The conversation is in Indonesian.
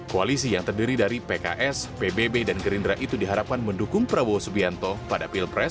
koalisi yang terdiri dari pks pbb dan gerindra itu diharapkan mendukung prabowo subianto pada pilpres dua ribu sembilan belas